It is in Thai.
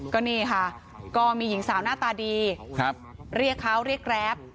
ก็นี่ค่ะก็มีหญิงสาวหน้าตาดีเรียกเขาเรียกแกรป